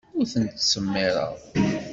Ur ten-ttsemmiṛeɣ.